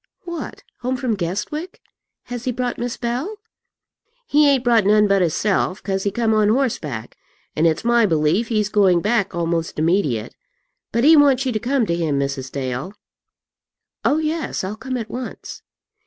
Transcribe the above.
"What, home from Guestwick? Has he brought Miss Bell?" "He ain't brought none but hisself, 'cause he come on horseback; and it's my belief he's going back almost immediate. But he wants you to come to him, Mrs. Dale." "Oh, yes, I'll come at once."